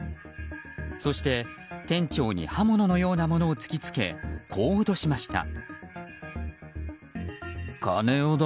そして、店長に刃物のようなものを突き付けこう脅しました。